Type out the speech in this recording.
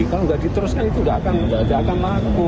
kalau nggak diteruskan itu tidak akan laku